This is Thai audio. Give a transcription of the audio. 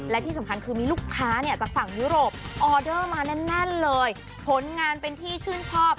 และที่สำคัญคือมีลูกค้าเนี่ยจากฝั่งยุโรปออเดอร์มาแน่นเลยผลงานเป็นที่ชื่นชอบ